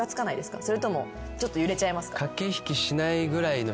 それともちょっと揺れちゃいますか？